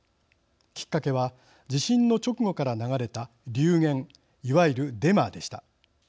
きっかけは地震の直後から流れた流言いわゆるデマでした。